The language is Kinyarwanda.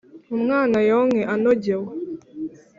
umwana yonke anogewe